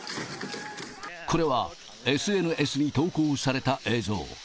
これは、ＳＮＳに投稿された映像。